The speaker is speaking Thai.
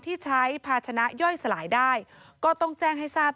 ที่ใช้ภาชนะย่อยสลายได้ก็ต้องแจ้งให้ทราบ